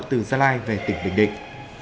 từ gia lai về tỉnh bình định